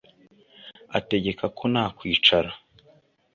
ategeka ko nta kwicara